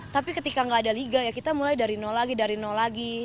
tapi ketika nggak ada liga ya kita mulai dari lagi dari lagi